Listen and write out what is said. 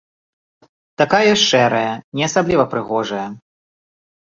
Такая ж шэрая, не асабліва прыгожая.